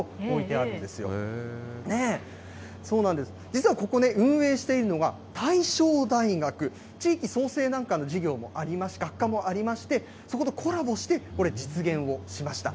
実はここね、運営しているのが大正大学、地域創生なんかの授業もあります、学科もありまして、そことコラボして、これ、実現しました。